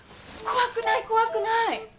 怖くない怖くない。